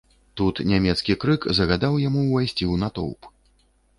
Тут нямецкі крык загадаў яму ўвайсці ў натоўп.